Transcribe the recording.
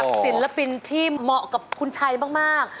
ศิลปินที่เหมาะกับคุณชัยมาก